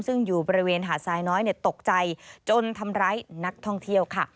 ซึ่งอยู่บริเวณหาดทรายน้อยตกใจจนทำร้ายนักท่องเที่ยวค่ะ